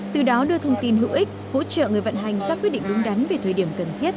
từ đó đưa thông tin hữu ích hỗ trợ người vận hành ra quyết định đúng đắn về thời điểm cần thiết